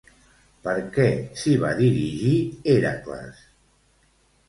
Per què s'hi va dirigir, Hèracles?